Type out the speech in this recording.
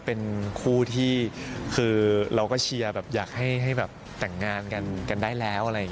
เป็นคู่ที่คือเราก็เชียร์อยากให้แต่งงานกันได้แล้ว